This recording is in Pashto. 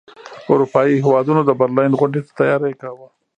اروپايي هیوادونو د برلین غونډې ته تیاری کاوه.